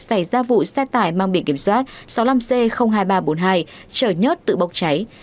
xảy ra vụ xe tải mang biển kiểm soát sáu mươi năm c hai nghìn ba trăm bốn mươi hai chở nhớt tự bốc cháy